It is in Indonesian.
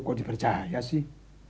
kok dipercaya sih